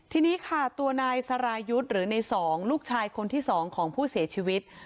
ทีนี้ค่ะตัวนายสรายุทธ์หรือใน๒ลูกชายคนที่๒ของผู้เสียชีวิต